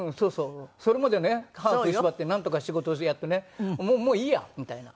それまでね歯を食いしばってなんとか仕事をやってねもういいや！みたいな。